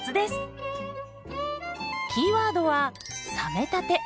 キーワードは「冷めたて」。